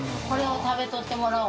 「食べとってもらおう」？